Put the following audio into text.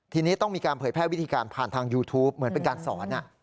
ทีนี้ต้องมีการเผยแพร่วิธีการผ่านทางยูทูปเหมือนเป็นการสอน